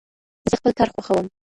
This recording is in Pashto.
زه خپل کار خوښوم